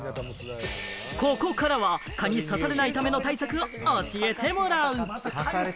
ここからは、蚊に刺されないための対策を教えてもらう。